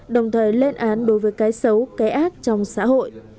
đồng thời lên án đối với cái xấu cái ác trong xã hội